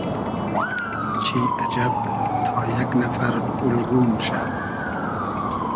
چی اجئب تا یئگ نئفر اولگو موشۂ